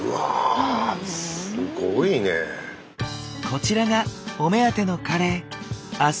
こちらがお目当てのカレー。